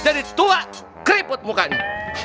jadi tua keriput mukanya